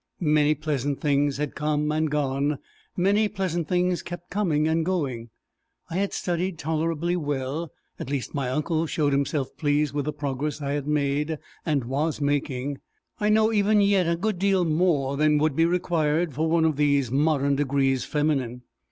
Many pleasant things had come and gone; many pleasant things kept coming and going. I had studied tolerably well at least my uncle showed himself pleased with the progress I had made and was making. I know even yet a good deal more than would be required for one of these modern degrees feminine.